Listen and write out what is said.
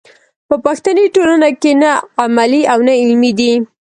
په پښتني ټولنه کې نه عملي او نه علمي دی.